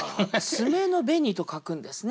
「爪の紅」と書くんですね。